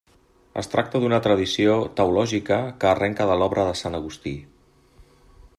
Es tracta d'una tradició teològica que arrenca de l'obra de sant Agustí.